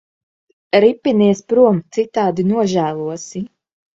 Ripinies prom, citādi nožēlosi.